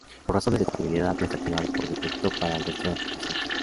Por razones de compatibilidad, no está activado por defecto para el resto de aplicaciones.